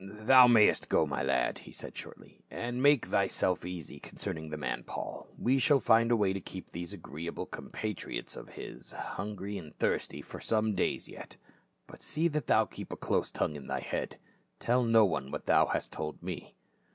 — "Thou mayst go, my lad," he said shortly, "and make thy self easy concerning the man Paul ; we shall find a way to keep these agreeable compatriots of his hungry and thirsty for some days yet. But see that thou keep a close tongue in thy head ; tell no one what thou hast told me."